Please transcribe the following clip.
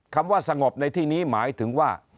คำว่าสงบในที่นี้หมายถึงว่า